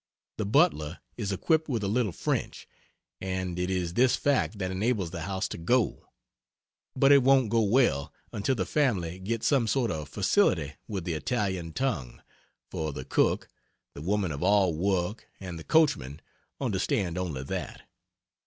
The butler is equipped with a little French, and it is this fact that enables the house to go but it won't go well until the family get some sort of facility with the Italian tongue, for the cook, the woman of all work and the coachman understand only that.